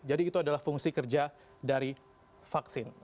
jadi itu adalah fungsi kerja dari vaksin